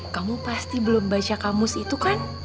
kamu pasti belum baca kamus itu kan